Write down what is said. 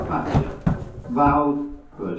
bacha), vcdg (Pers.